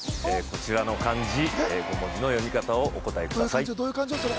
こちらの漢字５文字の読み方をお答えください